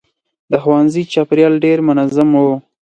د ښوونځي چاپېریال ډېر منظم و.